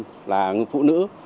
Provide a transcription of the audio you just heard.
hoặc là người phụ nữ